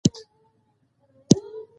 د مېلو له لاري خلک خپل هنري تولیدات پلوري.